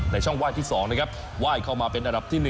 ช่องว่างที่๒นะครับไหว้เข้ามาเป็นอันดับที่๑